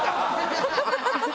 ハハハハ！